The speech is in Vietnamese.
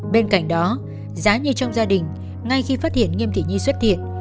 bên cạnh đó giá như trong gia đình ngay khi phát hiện nghiêm thị nhi xuất hiện